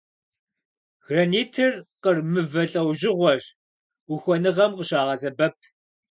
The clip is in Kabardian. Гранитыр къыр мывэ лӏэужьыгъуэщ, ухуэныгъэм къыщагъэсэбэп.